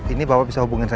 ini bapak bisa hubungi